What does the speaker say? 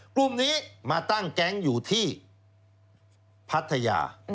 กลุ่มนี้มาตั้งแก๊งอยู่ที่พัทยา